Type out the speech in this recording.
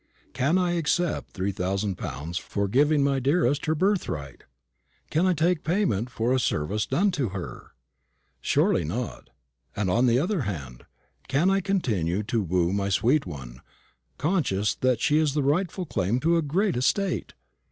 Can I accept three thousand pounds for giving my dearest her birthright? Can I take payment for a service done to her? Surely not: and, on the other hand, can I continue to woo my sweet one, conscious that she is the rightful claimant to a great estate?